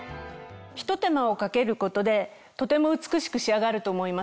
ひと手間をかけることでとても美しく仕上がると思います。